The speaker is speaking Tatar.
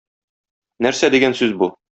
Нәрсә дигән сүз бу?